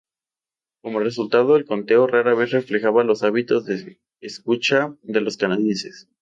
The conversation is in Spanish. Como resultado, el conteo rara vez reflejaba los hábitos de escucha de los canadienses.